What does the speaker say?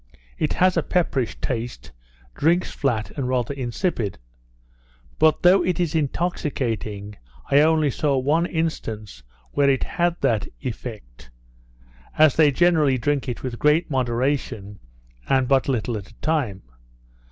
It has a pepperish taste, drinks flat, and rather insipid. But, though it is intoxicating I only saw one instance where it had that effect, as they generally drink it with great moderation, and but little at a time.